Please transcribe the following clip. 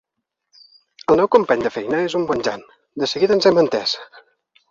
El nou company de feina és un bon jan. De seguida ens hem entès.